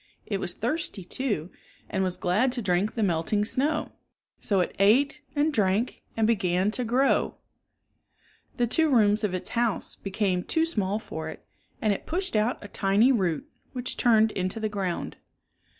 It was thirsty, too, and was glad to drink the melting snow. So it ate and drank and began to grow. .v.„<,L..™.„s„.,..„c.,.,... ;i^ The two rooms of its house became too ■ small for it, and it pushed out a tiny root, « which turned into the ground.